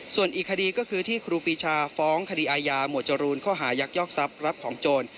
ส่วนอีกคดีก็คือที่ครูปีชาฟ้องคดีอายาหมวดจรูนข้อหายักยอกทรัพย์รับของโจร